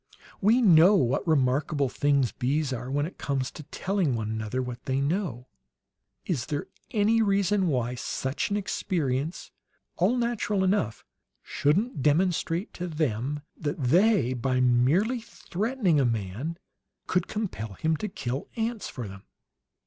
"We know what remarkable things bees are, when it comes to telling one another what they know. Is there any reason why such an experience all natural enough shouldn't demonstrate to them that they, by merely threatening a man, could compel him to kill ants for them?"